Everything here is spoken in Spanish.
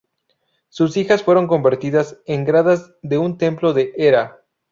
Sus hijas fueron convertidas en gradas de un templo de Hera.